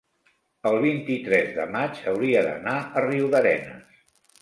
el vint-i-tres de maig hauria d'anar a Riudarenes.